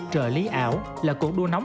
trợ lý ảo là cuộc đua nóng